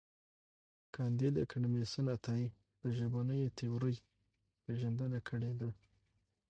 کانديد اکاډميسن عطایي د ژبنیو تیورۍ پېژندنه کړې ده.